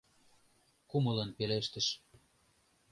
Кумылын пелештыш: